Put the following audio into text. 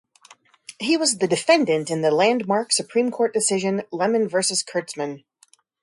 He was the defendant in the landmark Supreme Court decision "Lemon versus Kurtzman".